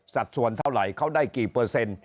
สัดส่วนเท่าไหร่เขาได้กี่เปอร์เซ็นต์